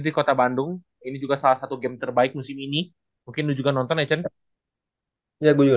di kota bandung ini juga salah satu game terbaik musim ini mungkin juga nonton echen ya gue juga